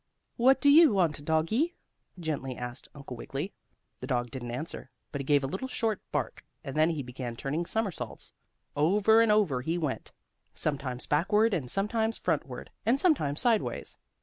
"What do you want, doggie?" gently asked Uncle Wiggily. The dog didn't answer, but he gave a little short bark, and then he began turning somersaults. Over and over he went, sometimes backward and sometimes frontward, and sometimes sideways.